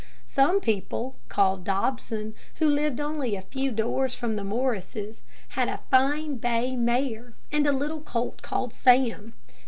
Some people, called Dobson, who lived only a few doors from the Morrises, had a fine bay mare and a little colt called Sam.